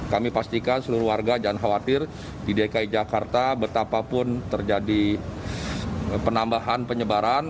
kami pastikan seluruh warga jangan khawatir di dki jakarta betapapun terjadi penambahan penyebaran